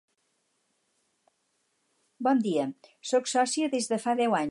Bon dia, sóc sòcia des de fa deu anys.